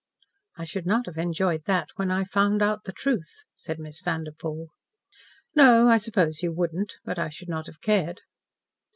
"I should not have enjoyed that when I found out the truth," said Miss Vanderpoel. "No, I suppose you wouldn't. But I should not have cared."